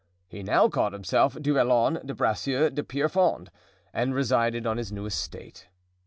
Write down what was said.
He now called himself Du Vallon de Bracieux de Pierrefonds, and resided on his new estate.